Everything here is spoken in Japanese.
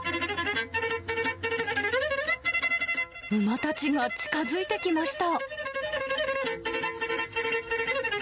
馬たちが近づいてきました。